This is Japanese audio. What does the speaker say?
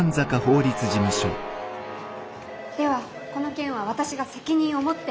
ではこの件は私が責任を持って。